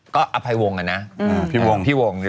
ก็อภัยวงกันนะพี่วง